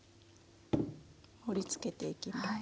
盛りつけていきます。